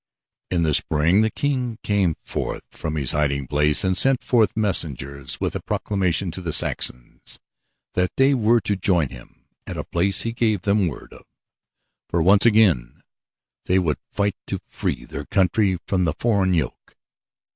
In the spring the King came forth from his hiding place and sent forth messengers with a proclamation to the Saxons that they were to join him at a place he gave them word of, for once again they would fight to free their country from the foreign yoke.